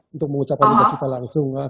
untuk mengucapkan ucapkan langsung